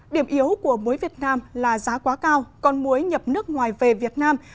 điểm yếu của muối việt nam là giá quá cao còn muối nhập nước ngoài về việt nam